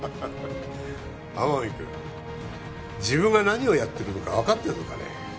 天海君自分が何をやってるのか分かってるのかね？